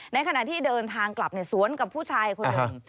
ในขณะที่เดินทางกลับสวนกับผู้ชายคนหนึ่ง